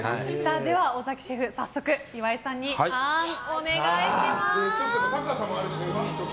では、尾崎シェフ早速、岩井さんにお願いします。